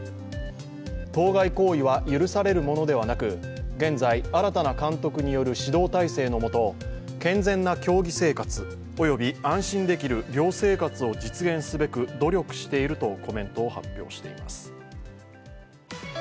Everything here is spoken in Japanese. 当該行為は許されるものではなく現在、新たな監督による指導体制の下健全な競技生活および安心できる寮生活を実現すべく努力しているとコメントを発表しています。